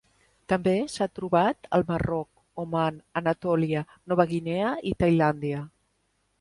També s'ha trobat al Marroc, Oman, Anatòlia, Nova Guinea i Tailàndia.